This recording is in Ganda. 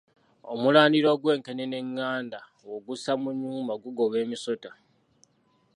Omulandira og’wenkenene eŋŋanda bw’ogussa mu nnyumba gugoba emisota.